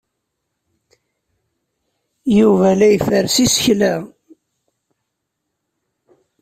Yuba la iferres isekla.